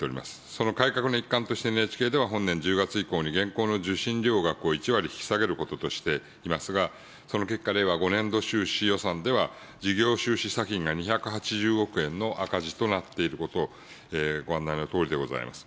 その改革の一環としてＮＨＫでは、本年１０月以降に現行の受信料額を１割引き下げることとしていますが、その結果、令和５年度収支予算では、事業収支差金が２８０億円の赤字となっていること、ご案内のとおりでございます。